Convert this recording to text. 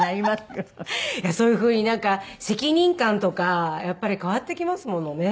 いやそういう風になんか責任感とかやっぱり変わってきますものね。